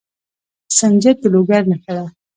سنجد د لوګر نښه ده.